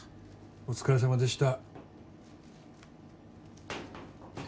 お疲れさまでした。